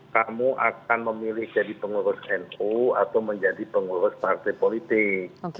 kamu akan memilih jadi pengurus nu atau menjadi pengurus partai politik